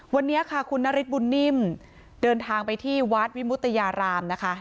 วันนี้ค่ะคุณนฤทธบุญนิ่มเดินทางไปที่วัดวิมุตยารามนะคะ